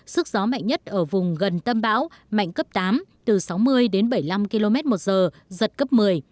sức gió mạnh nhất ở vùng gần tâm bão mạnh cấp tám từ sáu mươi đến bảy mươi năm km một giờ giật cấp một mươi